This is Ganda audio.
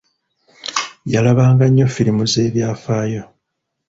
Yalabanga nnyo firimu z'ebyafaayo.